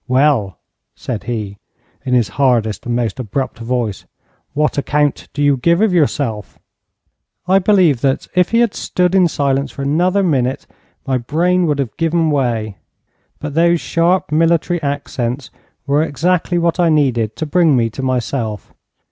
'Well,' said he, in his hardest and most abrupt voice, 'what account do you give of yourself?' I believe that, if he had stood in silence for another minute, my brain would have given way. But those sharp military accents were exactly what I needed to bring me to myself.